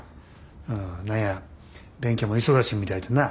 何や勉強も忙しみたいでな。